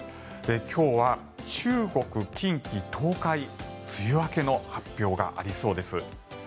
今日は中国、近畿、東海梅雨明けの発表がありそうです。